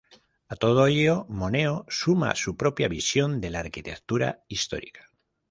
A todo ello, Moneo suma su propia visión de la arquitectura histórica.